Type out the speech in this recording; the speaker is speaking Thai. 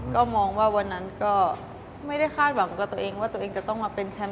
ก็มองว่าวันนั้นก็ไม่ได้คาดหวังกับตัวเองว่าตัวเองจะต้องมาเป็นแชมป์